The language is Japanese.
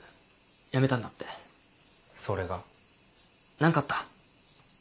何かあった？